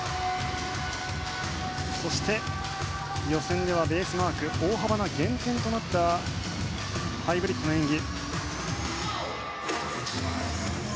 そして予選ではベースマーク大幅な減点となったハイブリッドの演技。